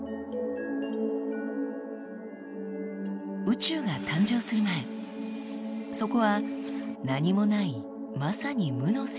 宇宙が誕生する前そこは何もないまさに無の世界でした。